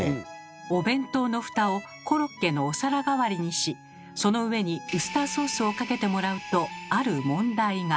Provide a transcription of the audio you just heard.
お弁当の蓋をコロッケのお皿代わりにしその上にウスターソースをかけてもらうとある問題が。